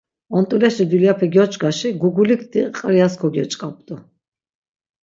Ont̆uleşi dulyape gyoç̆k̆aşi gugulikti qrias gyoç̆k̆apt̆u.